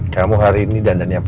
kamu hari ini dandannya apa